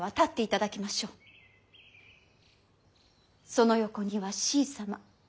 その横にはしい様。